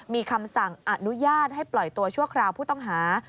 มีคำสั่งอนุญาตให้ปล่อยตัวชั่วคราวผู้ต้องหา